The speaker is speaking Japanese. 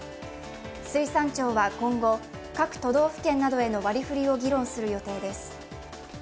水産庁は今後、各都道府県などへの割り振りを議論する予定です。